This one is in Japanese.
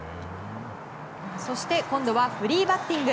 そして今度はフリーバッティング。